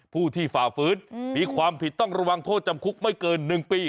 ผู้ที่ฝ่าฟื้นมีความผิดต้องระวังโทษจำคุกไม่เกิน๑ปี